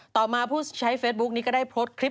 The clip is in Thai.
ต่อมาผู้ใช้เฟซบุ๊คนี้ก็ได้โพสต์คลิป